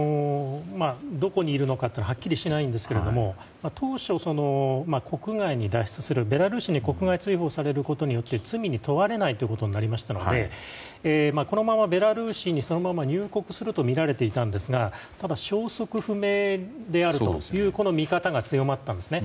どこにいるのかはっきりしないんですが当初、国外に脱出するベラルーシに国外追放されることによって罪に問われないということになりましたのでこのままベラルーシに入国するとみられていたんですがただ、消息不明であるという見方が強まったんですね。